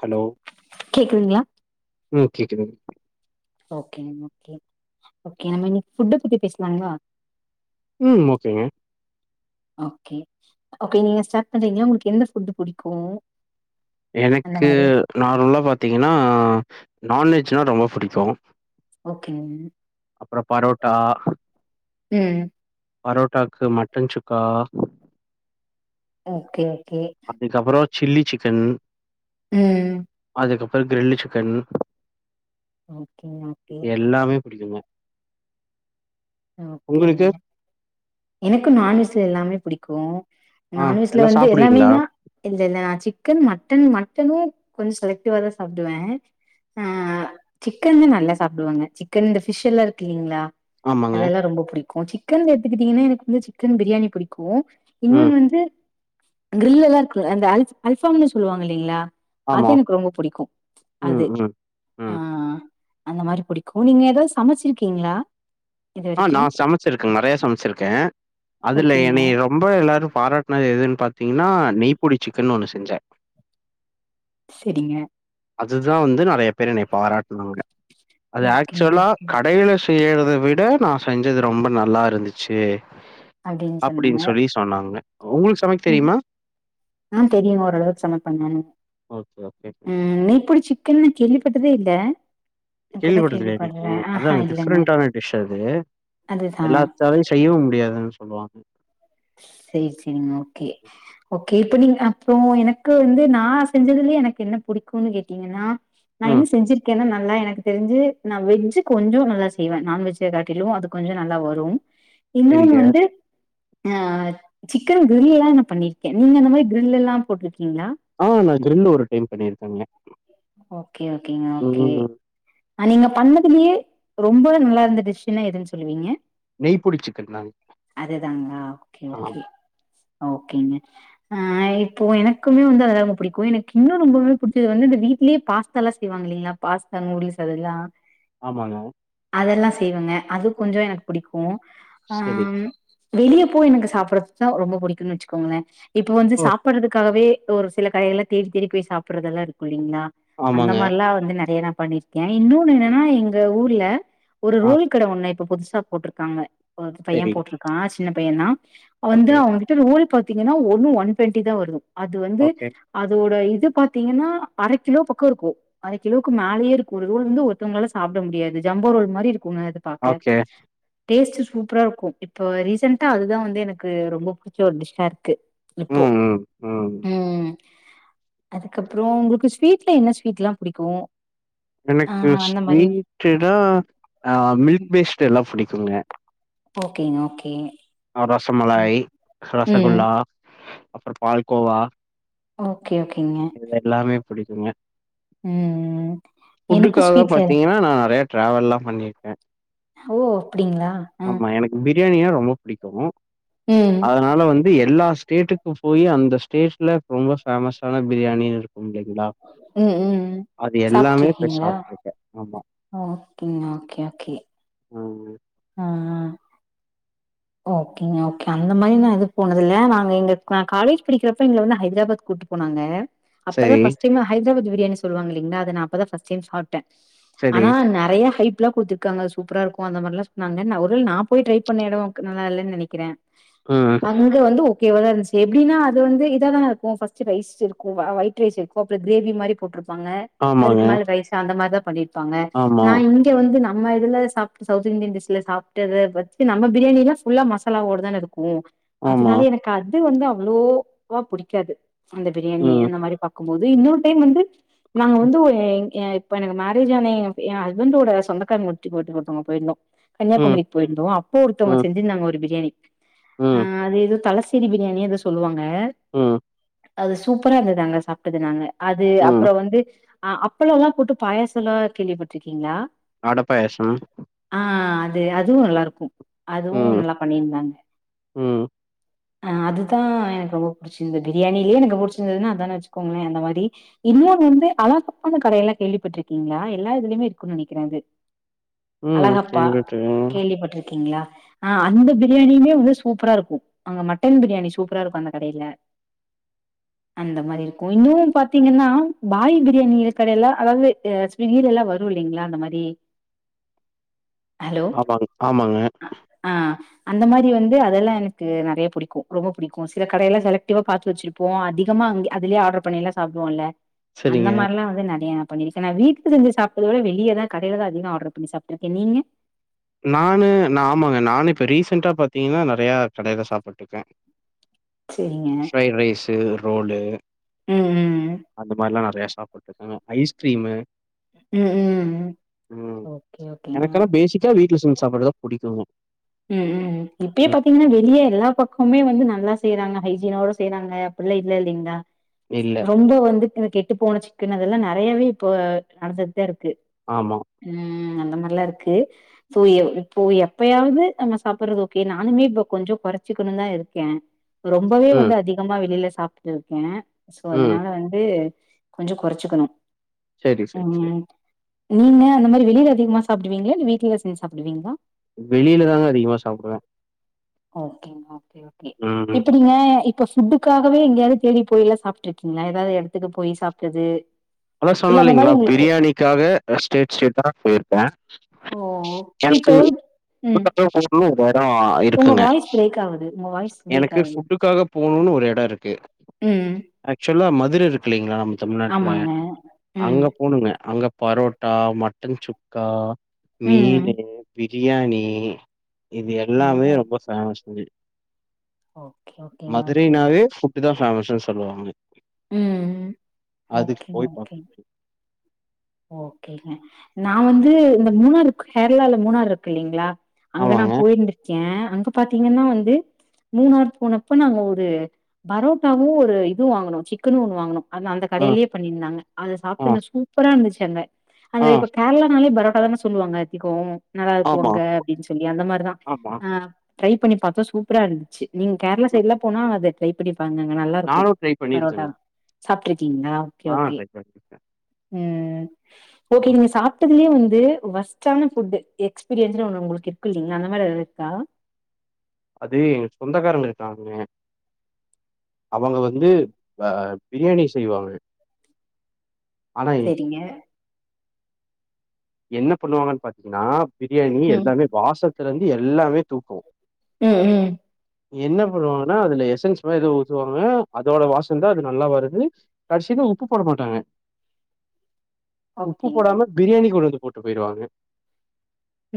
Hello கேக்குதுங்ளா ம் கேக்குதுங் ஓகேங் ஓகே ஓகே நம்ம இன்னைக் ஃபுட்டு பத்தி பேஸ்லாங்ளா ம் ஓகேங்க ஓகே ஓகே நீங்க ஸார்ட் பண்றீங்ளா உங்களுக்கு எந்த ஃபுட்டு புடிக்கு அந்த எனக்கு மாரி நார்மலா பார்த்தீங்கன்னா நான்வெஜ்னா ரொம்ப புடிக்கு ஓகேங்க அப்புற பரோட்டா ம் பரோட்டாக்கு மட்டன் சுக்கா ஓகே ஓகே அப்டி கப்பறோ சில்லி சிக்கன் ம் அதுக்கப்புறோ கிரில்லி சிக்கன் ஓகேங்க ஓகே இது எல்லாமே புடிக்குங்க ஓகே உங்களுக்கு எனக்கு நான்வெஜ்ல எல்லாமே புடிக்கு ஆ நான்வெஜ்ல எல்லா வந்து சாப்பிடுவீங்களா எல்லாமேன்னா இல்லல்ல நா சிக்கன் மட்டன் மட்டனு கொஞ்ச செலக்டிவா தா சாப்டுவே ஆ சிக்கன் தா நல்லா சாப்டுவாங்க சிக்கன் இந்த ஃபிஷ் எல்லா இருக்கு இல்லைங்ளா ஆமாங்க அதல்லா ரொம்ப புடிக்கு சிக்கன் எடுத்துக்கிட்டிங்கன்னா எனக்கு வந்து சிக்கன் பிரியாணி புடிக்கு ம் இன்னொன்னு வந்து கிரில் எல்லா இருக்குல அந்த அல் அல்பாஃங்குன் சொல்லுவாங்க இல்லிங்ளா ஆமா அது எனக்கு ரொம்ப புடிக்கு ம் அது ம் ஆ ம் அந்த மாரி புடிக்கு நீங்க ஏதா சமச்சிருக்கீங்ளா ஆ நா சமச்சிருக்கே நெறைய சமச்சிருக்கே அதுல ஓகேங்க என்னைய ரொம் ரொம்ப எல்லாரு பாராட்னது எதுன் பார்த்தீங்கன்னா நெய் பொடி சிக்கன்னு ஒன்னு செஞ்சே செரிங்க அதுதா வந்து நெறைய பேர் என்னைய பாராட்டுனாங்க அது ஓகேங்க ஆக்சுவலா ஓகே கடையில செய்றத விட நா செஞ்சது ரொம்ப நல்லா இருந்துச்சு அப்டின்னு சொன்னாங்க அப்டின் சொல்லி சொன்னாங்க உங்ளுக் ம் ஆ தெரியு ஓரளவுக்கு சமைப்பேங்க ஓகே, ஓகே. ம் நெய் பொடி சிக்கன்னு கேள்விப்பட்டதே இல்ல இப்பதா கேள்விப்பட்டது இல்லையா நீங்க கேள்விப்பட்றே ஆஹா அதங்க இல்லங்க டிஃப்ரெண்டான டிஷ் அது அதுதா எல்லா சை செய்யவு முடியாதுன்னு சொல்லுவாங்க செரி செரிங்க ஓகே ஓகே இப்ப நீங்க அப்றோ எனக்கு வந்து நா செஞ்சதுலயே எனக்கு என்ன பிடிக்குனு கேட்டீங்கன்னா நா என்ன ம். செஞ்சிருக்கேன்னா நல்லா எனக்கு தெரிஞ்சு நா வெஜ் கொஞ்சோ நல்லா செய்வே நான்வெஜ்ஜ காட்டிலு அது கொஞ்சோ நல்லா வரும் இன்னொன்னு சரிங்க. வந்து ஆ சிக்கன் கிரில் எல்லா நா பண்ணிருக்கே நீங்க அந்த மாரி கிரில் எல்லா போட்டிருக்கீங்களா ஆ நா கிரில் ஒரு டைம் பண்ணிருக்கேங்க ஓகே ஓகேங்க ஓகே ம் ஆ நீங்க பண்ணதுலயே ரொம்பவே நல்லா இருந்த டிஷ்ன்னா எதுன்னு சொல்லுவீங்க நெய் புடிச்சுக்கந்தாங்க அதுதாங்களா ஓகே ஓகே ஆ ஓகேங்க ஆ இப்போ எனக்குமே வந்து அதுதா ரொம்ப பிடிக்கு எனக்கு இன்னு ரொம்பவே புடிச்சது வந்து இந்த வீட்லேயே பாஸ் பாஸ்தாலா செய்வாங்க இல்லங்களா பாஸ்தா நூடில்ஸ் அதெல்லா ஆமாங்க அதெல்லா செய்வங்க அது கொஞ்சோ எனக்கு பிடிக்கு ஆ சரி. வெளிய ப்போ எனக்கு சாப்பிடறதுதா ரொம்ப பிடிக்கும்ன்னு வச்சுக்கோங்களே இப்ப வந்து ஓ! சாப்பிடுறதுக்காகவே ஒரு சில கடைகள்ல தேடி தேடி போய் சாப்பிறதெல்லா இருக்கு இல்லீங்களா அந்த ஆமாங்க. மாரி எல்லா வந்து நெறைய ந பண்ணிரு ன் இன்னொன்னு என்னன்னா எங்க ஊர்ல ஒரு ஆ ரோல் கட ஒண்ணு இப்ப புதுசா போட்ருக்காங்க பைய சரி. போட்ருக்கா சின்ன பைய தா வந்து ஓகே, அவங்க ரோல் பாத்தீங்கன்னா ஒண்ணு ஒன் டுவெண்டி தா வரு அது வந்து ஓகே, அதோட இது பாத்தீங்கன்னா அர கிலோ பக்கோ இருக்கு அர கிலோவுக்கு மேலேயே இருக்கு ஒரு ரோல் வந்து ஒருத்தவங்களாலா சாப்பிட முடியாது ஜம்பா ரோல் மாரி இருக்குங்க பாக்க ஓகே. டேஸ்ட் சூப்பரா இருக்கு இப்ப ரீசன்ட் அதுதா வந்து எனக்கு ரொம்ப பிடிச்ச ஒரு டிஷ்சா இருக்கு இப்போ ம், ம், ம். ம் அதுக்கப்றோ உங்களுக்கு ஸ்வீட்ல என்ன ஸ்வீட் எல்லா பிடிக்கு எனக்கு ஸ்வீட்டுனா அ மில்க் ம் பேஸ்ட் எல்லா பிடிக்குங்க ஓகேங்க ஓகே ரசமலாய் ரசகுல ம் அப்றோ பால் கோவா ஓகே ஓகேங்க எல்லாமே பிடிக்குங்க ம் எனக்கு புட்டுக்காக ஸ்வீட்ல பாத்தீங்கன்னா நா நெறைய ட்ராவெல்லா பண்ணியிருக்கே ஓ அப்டிங்களா அ எனக்கு பிரியாணினா ரொம்ப பிடிக்கு ம் அதனால வந்து எல்லா ஸ்டேட்டுக்கு போய் அந்த ஸ்டேட்டில ரொம்ப ஃபேமஸான பிரியாணின்னு இருக்கு இல்லைங்களா ம் ம் அது எல்லாமே போய் சாப்ட்ருக்கீங்களா சாப்டீருக்கே ஆமா ஓகேங்க ஓகே ஓகே ஆமா ஆ ஆ ஓகேங்க ஓகே அந்த மாரி நா எதுவு போனதுல்ல நாங்க எங்க நா காலேஜ் படிக்கிறப்ப இங்க வந்து ஹைதராபாத் கூட்டிட்டு போனாங்க அப்பதா சரி, பர்ஸ்ட் டைம் ஹதராபாத் பிரியாணி சொல்லாங்க இல்லங்களா அத நா அப்பதா ஃபர்ஸ்ட் டைம் சாப் ட சரி. ஆனா நெறைய ஹைப்லா கொடுத்து இருக்கங்க சூப்பரா இருக்கு அந்த மாதிர எல்லா சொன்னாங்க ஒருவேள நா போய் ட்ரை பண்ண எடோ நல்லா இல்லனு நெனைக்கிற ஆ அங்க வந்து ஓகேவ தா இருந்துச்சு எப்படின்னா அது வந்து இத தானா இருக்கு ஃபஸ்ட்டு ரைஸ் இருக்கு ஒயிட் ரைஸ் இருக் அப்புற கிரேவி மாரி போட்டுருப்பாங்க ஆமாங்க. அதுக்கு மேல ரைஸ்சா அந்த மார்தா பண்ணிர்ப்பாங்க ஆமா, நா இங் இங்க வந்து நம்ம இதுல சாப்ட்டு சவுத் இந்தியன் டிஷ்ல சாப்ட்டு அத பு நம்ம பிரியாணிலா ஃபுல்லா மசாலா ஓடு தான இருக்கு ஆமா. அதனால எனக்கு அது வந்து அவ்ளோவா புடிக்காது அந்த பிரியாணி ம். அந்த மாரி பாக்கும்போது இன்னொரு டைம் வந்து நாங்க வந்து ஒரு ஏ இப்ப எனக்கு மேரேஜ் ஆன எ ஹஸ்பண்டோட சொந்தக்காரக முட்டி போட்டு கொடுத்தங்க போயிருந்தொ ம். கன்னியாகுமரிக் போயிருந்தோ அப்போ ஒருத்தவ்ங்க ம். செஞ்சிருந்தாங்க ஒரு பிரியாணி ஆ ம். அது ஏதொ தள சிரி பிரியாணிய எதொ சொல்லுவாங்க ம் அது சூப்பரா இருந்தது அங்க சாப்ட்டது நாங்க அது ம். அப்ற வந்து ஆ அப்பள எல்லா போட்டு பாயசல கேள்விப்பட்ருக்கீங்ளா அடபாயசம் ஆ அது அதுவு நல்லா இருக்கு அதுவு ம். நல்லா பண்ணிய்ந்தாங்க ம். ஆ அதுதா எனக்கு ரொம்ப புடிச்சிருந்தது பிரியாணிலேயே எனக்கு புடிச்சிருந்ததுன்னா அதானே வச்சுக்கோங்களே அந்த மாரி இன்னொனு வந்து அழகப்பந்த கடையெல்லா கேள்விப்பட்ருக்கீங்ளா எல்லா இதுலிமே இருக்குன் நினைக்றே அது ம். அழகப்பா கேள்விப்பட்டுருக்கேன். கேள்விப்பட்ருக்கீங்ளா ஆ அந்த பிரியாணியுமே வந்து சூப்பரா இருக்கு அங்க மட்டன் பிரியாணி சூப்பரா இருக்கு அந்த கடைய்ல அந்த மாரி இருக்கு இன்னு பாத்தீங்கன்னா பாய் பிரியாணி கடையெல்லா அதாவ்து அ நீர் எல்லா வரு இல்லைங்ளா அந்த மாரி ஹலோ ஆமாங் ஆமாங்க ஆ அந்த மாரி வந்து அதெல்லா எனக்கு நெறைய புடிக்கு ரொம்ப புடிக்கு சில கடையெல்லா செலக்டிவா பாத்து வச்சிருப் போ அதிகமா அங்க அதுலயே ஆர்டர் பண்ணில்லா சாப்டுவோல அந்த சரிங்க. மாரிலா வந்து நெறைய பண்ணிருக்க நா வீக்கு செஞ்ச சாப்டத விட வெளியதா கடைலதா அதிக ஆர்டர் பண்ணி சாப்ட்டுருக்க நீங்க நான்னு நா ஆமாங்க நானு இப்ப ரீசண்டா பாத்தீங்கன்னா நெறைய கடையில சாப்புட்டுக்கே செரிங்க ஃப்ரைட் ரைஸு ரோலு ம் ம் அந்த மாரிலா நெறைய சாப்புட்டுருக்கே ஐஸ்க்ரீமு உ ம் ம் ஓகே ஓகேங்க ச வீட்ல செஞ் சாப்பாடுதா புடிக்குங்க ம் ம் இப்பயே ம். பாத்தீங்கன்னா வெ ளிய எல்லா பக்கம்மே வந்து நல்லா செய்யறாங்க ஹைஜீனோட செய்யறாங்க அப்பல்லா இல்ல இல்லைங்ளா இல்ல ரொம்ப வந்து இந்த கெட்டு போன சிக்கன் அதெல்லா நெறையாவே இப்போ நடந்ததுதா இருக்கு ஆமா ம் அந்த மார்லா இருக்கு சோ இப்போ எப்பயாவ்து நம்ம சாப்பற்றது ஓகே நானுமே இப்போ கொஞ்ச கொறச்சிக்கணு தா இருக்கே ரொம்பவே ம். வந்து அதி கமா வெளியில சாப்ட்டு இருக்கே சோ ம். அதனால வந்து கொஞ்ச கொறச்சிக்கனு சரி, சரி, சரி. ம் நீங்க அந்த மாரி வெளியில அதிகமா சாப்டுவீங்லா இல்ல வீட்ல செஞ்சு சாப்டுவீங்ளா வெளியில தாங்க அதிகமா சாப்டுவே ஒகேங் ஓகே ஓகே ம். எப்படிங்க இப் இப்ப ஃபுட்டுக்காகவே எங்கேயாவ்து தேடி போய் எல்லா சாப்ட்டுருக்கீங்ளா ஏதாது எடத்துக்கு போய் சாப்ட்டது அதா சொன்ன இல்ல அந்த இல்லைங்ளா மாரி உங்களுக்கு பிரியாணிக்காக ஸ்டேட் ஸ்டேட்டா போய்ருக்கே ஓ இப்ப எனக்கு ஏதாவது ம் [unintelligible] உங்க இருக்குங்க வாய்ஸ் பிரேக் ஆகுது உங்க வாய்ஸ் பிரேக் எனக்கு ஆகுது ஃபுட்டுக்காக போணுனு ஒரு இடோ இருக்கு ம் ஆக்சுவலா மதுரை இருக்கு இல்லீங்களா நம்ப தமிழ்நாட்ல ஆமாங்க ம் அங்க போணுங்க அங்க பரோட்டா மட்டன் சுக்கா ம் மீனு பிரியாணி இது ஆ எல்லாமே ரொம்ப ஃபேமஸ் இங்க ஓகே ஓகேங்க ஓகே இதான் ஃபேமஸ்னு சொல்லுவாங்க ம் அதுக்கு ஓகேங்க போய் ஓகே [inaudible] ஓகேங்க நா வந்து இந்த மூணார் கேரளால மூணார் இருக்கு இல்லீங்ளா அங்க ஆமாங்க. நான் போயிருந்திருக்கேன் அங்க பாத்தீங்கன்னா வந்து மூணார் போனப்ப நாங்க ஒரு பரோட்டாவும் ஒரு இது வாங்கனோம் சிக்கனும் ஒன்னு வாங்கனோம் அந்த அந்த ஆ, கடையிலேயே பண்ணியிருந்தாங்க அத சாப்பிட்டு ஆ, இருந்த சூப்பரா இருந்துச்சு அங்க அந்த ஆ, இப்ப கேரளனாலே பரோட்டா தான சொல்லுவாங்க அதிகோம் நல்லா இருக்கும் ஆமா, அங்க அப்டின்னு சொல்லி அந்த மாரிதான் ஆமா. அ ட்ரை பண்ணி பாத்தா சூப்பரா இருந்துச்சு நீங்க கேரளா ம். சைடுலா போனா அது ட்ரை பண்ணி பாருங்கங்க அங்க நல்லா இருக்கும் நானும் ட்ரை பரோட்டா பண்ணியிருக்கேங்க. சாப்ட்டுருக்கீங்களா ஆ ட்ரை ட்ரை பண்ணிருக்கன் ம் ஓகேங்க சாப்ட்டதுலயே வந்து வர்ஸ்ட்டான ஃபுட் எக்ஸ்பீரியன்ஸ்னு ஒன்னு உங்ளுக்கு இருக்கு இல்லீங்ளா அந்த மாரி எதாது இருக்கா அது எங்க சொந்தக்காரங்க இருக்காங்க அவங்க வந்து அ பிரியாணி செய்வாங்க ஆனா செரிங்க என்ன பண்ணுவாங்கன்னு பாத்தீங்கன்னா பிரியாணி ம் எல்லாமே வாசத்துலந்து எல்லாமே தூக்கும் ம் ம் என்ன பண்ணுவாங்கன்னா அதுல எசன்ஸ் மாரி எதோ ஊத்துவாங்க அதோட வாசம் தான் அது நல்லா வருது கடைசிதான் உப்பு போட மாட்டாங்க உப்பு ஓகேங்க போடாம பிரியாணி கொண்டு வந்து போட்டு போய்டுவாங்க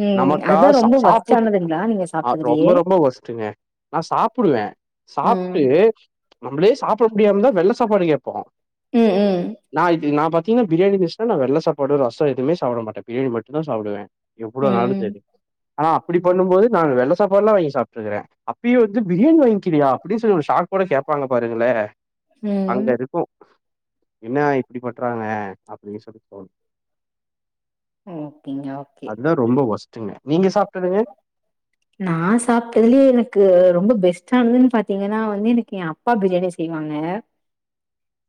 ம் நமக்கா அதா ச ரொம்ப சாப்பிட்டு ஒர்ஸ்ட்டானதுங்களா நீங்க ரொம்ப சாப்ட்டதுலயே ரொம்ப ஒஸ்ட்டுங்க நான் சாப்பிடுவேன் ம் சாப்பிட்டு நம்மளே சாப்புட முடியாமதான் வெள்ள சாப்பாடு கேப்போம் ம் ம் நான் இது நா பாத்தீங்கன்னா பிரியாணி இருந்துச்சன்னா நான் வெள்ள சாப்பாடு ரசம் எவுமே சப்பிட மாட்டன் பிரியாணி மட்டும் தான் சாப்பிடுவேன் எவ்ளோவு நாலும் ம் செரி அனா அப்டி ம் பண்ணும் மோது நான் வெள்ள சாப்பாடுலாம் வாங்கி சாப்பிட்டுருக்கறேன் அப்பயும் வந்து பிரியாணி வாங்கிக்கிறியா அப்டின்னு சொல்லி ஒரு ஷாக் கூட கேப்பாங்க பாருங்களேன் அங்க ம் இருக்கும் என்ன இப்டி பண்றாங்க அப்டின்னு சொல்லி தோணும் ஓகேங்க ஓகே தான் ரொம்ப ஒஸ்ட்டுங்க நீங்க சாப்ட்டதுங்க நா சாப்ட்டதுலயே எனக்கு ரொம்ப பெஸ்டானதுன்னு பாத்தீங்கன்னா வந்து எனக்கு என் அப் பா பிரியாணி செய்வாங்க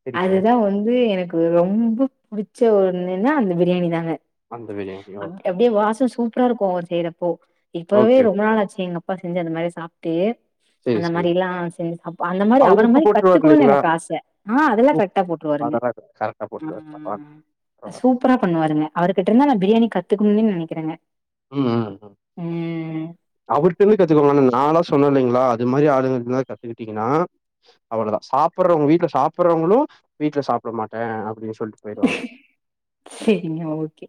சரிங்க. அதுதான் வந்து எனக்கு ரொம்ப புடிச்ச ஒன்னுனா அந்த பிரியாணி தாங்க அந்த பிரியாணி அ ஓகே, அப்டியே வாசோம் சூப்பரா இருக்கும் செய்றப்போ இப்பவே ஓகே. ரொம்ப நாள் ஆச்சு எங்கப்பா பா செஞ்சு அந்த மாரி சாப்ட்டு சரி, அந்த சரி. மாரிலாம் செஞ்சு ச அந்த மாரி அவரு அவர உப்பு மாரி போட்டுருவாரு கத்துக்குணுன்னு இல்லைங்களா? எனக்கு ஆச ஆ அதெல்லாம் உப் கரெக்டா போட்டுருவாருங்க அதெல்லா கரெக்ட்டா போட்டுருவாரா பரவால சூப்பரா பண்ணுவாருங்க அவர்கிட்ட இருந்து நான் பிரியாணி கத்துக்குன்னு நனைக்கறேங்க ம் ம் ம் அவர்ட இருந்து கத்துக்கோங்கா நாளா சொன்னலைங்களா அது மாரி ஆளுங்கள்டளா கத்துக்கிட்டீங்கன்னா அவ்வளோதா சாப்பற உங்க வீட்ல சாப்பிறவங்களு வீட்ல சாப்பட மாட்டே அப்படின்னு சொ சொல்ட்டு போய்டுவாங்க சரிங்க ஓகே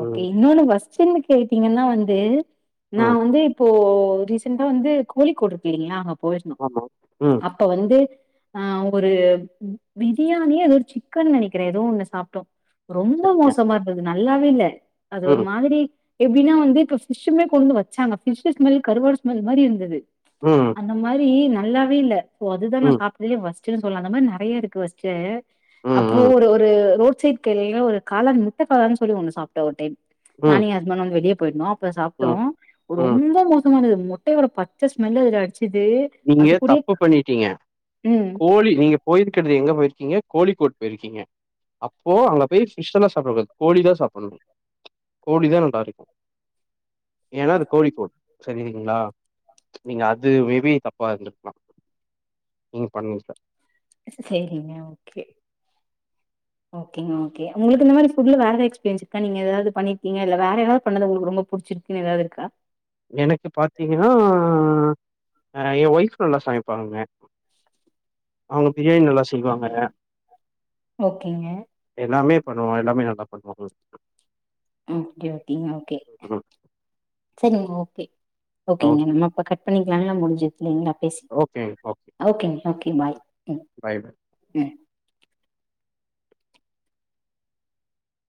ஓகே ம், இன்னொன்னு வஸ்டன்னு கேட்டீங்கன்னா வந்து நா ம். வந்து இப்போ ரீசென்டா வந்து கோழிகூடு இருக்குல்லீங்களா அங்க போயிருந்தோ ஆமா. ம். அப் ப வந்து ஆ ஒரு பிரியாணியோ அது ஒரு சிக்கன் நெனைக்கிறே ஏதோ ஒன்ன சாப்ட்டோ ரொம்ப சரிங்க. மோசமா இருந்தது நல்லாவே இல்ல அது ஒரு ம், மாதிரி எப்படினா வந்து இப்ப பிஸ்ஷுமே கொண்டு வச்சாங்க ஃபிஷ் ஸ்மல் கருவாடு ஸ்மெல் மாரி இருந்தது ம் அந்த மாரி நால்லாவே இல்ல சோ அதுதா நா ம், சாப்ட்டதுலயே வொஸ்டுனு சொல்லலா அந்த மாரி நெறைய இருக்கு வொஸ்ட்டு ம், அப்பறோ ம், ஒரு ஒரு ரோட் சைட் கடைல ஒரு காளான் முட்ட காளான்னு சொல்லி ஒண்ணு சாப்ட்டோ ஒரு டைம் ம், நானு எ ஹஸ்பண்டு வந்து வெளிய போயிருந்தோ அப்பற சாப்ட்டோ ம், ம். ரொம்ப மோசமானது முட்டயோட பச்ச ஸ்மெல் இதுல அடிச்சிது நீங்க தப்பு பண்ணிட்டீங்க ம் கோழி நீங்க போய்ருக்கறது எங்க போயிருக்கீங்க கோழிக்கோட் போயிருக்கீங்க அப்போ அங்க போய் பிஷ்ஷல்லா சாப்ட கூடாது கோழி தா சாப்பணு கோழி தா நல்லாருக்கு ஏன்னா அது கோழிக்கோட் சரிங்களா நீங்க அது மேபி க்கலா நீங்க பண்ணு சார் சேரிங்க ஓகே ஓகேங்க ஓகே உங்களுக்கு இந்த மாரி புட்ல வேற எதா எஸ்பீரியன்ஸ் இருக்கா நீ ஏதாவது பண்ணிருங்க இல்ல வேற ஏதாவது பண்ணது உங்களுக்கு ரொம்ப புடிச்சி குனு ஏதாவது இருக்கா எனக்கு பாத்தீங்கன்னா எ ஒய்ஃப் நல்லா சமப்பாங்க அவங்க பிரியாணி நல்லா செய்வாங்க ஓகேங்க எல்லாமே பண்ணுவோ எல்லாமே நல்லா பண்ணுவாங்க ஓகே ஓகேங்க ஓகே சேரிங்க ஓகே ஓகேங்க ஓகே நம்ம பக் பண்ணிக்கலாங்களா முடிஞ்சது இல்லைங்களா பேசி ஓகே ஓகே ஓகேங்க ஓகே பாய் ம் பாய் பாய் ம்